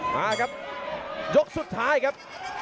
มาครับยกสุดท้ายครับ